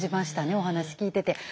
お話聞いてて。